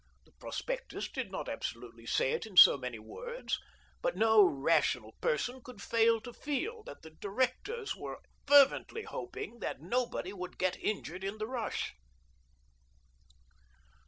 The prospectus did not absolutely say it in so many words, but no rational person could fail to feel that the directors were fervently hoping that nobody would get injured in the rush.